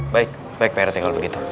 baik baik pak rt kalau begitu